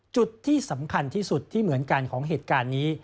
จุดที่สำคัญที่สุดที่เหมือนกันของเหตุการณ์นี้